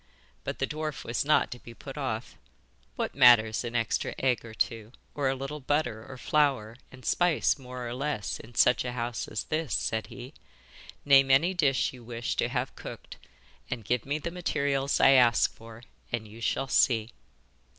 But the dwarf was not to be put off. 'What matters an extra egg or two, or a little butter or flour and spice more or less, in such a house as this?' said he. 'Name any dish you wish to have cooked, and give me the materials I ask for, and you shall see.